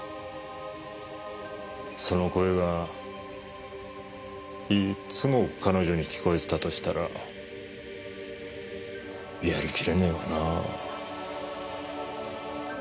その声がいつも彼女に聞こえてたとしたらやりきれねえわな。